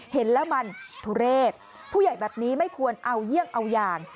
เห็นแล้วมันทุเรศผู้ใหญ่แบบนี้ไม่ควรเอาเยี่ยงเอาอย่าง